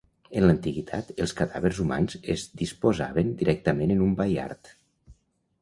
En l'antiguitat els cadàvers humans es disposaven directament en un baiard.